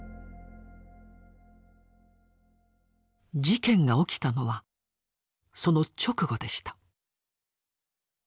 事件が起きたのはその直後でした。